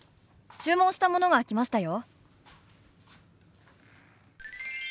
注文したものが来ましたよ。